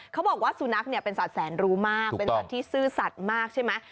เขาบอกว่าสุนัขเนี่ยเป็นสัตวแสนรู้มากเป็นสัตว์ที่ซื่อสัตว์มากใช่ไหม